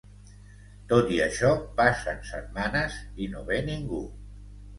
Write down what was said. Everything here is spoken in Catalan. Tot i això, passen setmanes i no ve ningú.